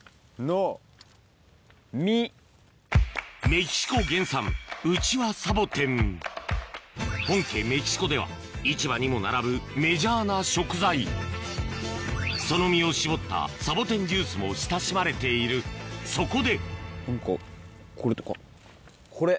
メキシコ原産本家メキシコでは市場にも並ぶメジャーな食材その実を搾ったサボテンジュースも親しまれているそこで何かこれとかこれ。